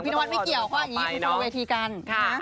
พี่นวัดไม่เกี่ยวว่าอย่างนี้คุณพูดมาเวทีกัน